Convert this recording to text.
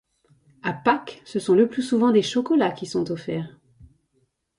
À Pâques ce sont le plus souvent des chocolats qui sont offerts.